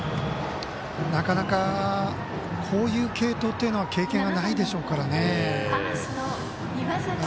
なかなかこういう継投っていうのは経験がないでしょうからね。